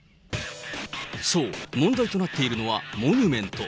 そう、問題となっているのはモニュメント。